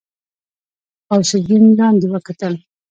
غوث الدين لاندې وکتل.